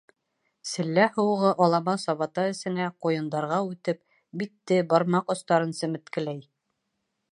Селлә һыуығы алама сабата эсенә, ҡуйындарға үтеп, битте, бармаҡ остарын семеткеләй.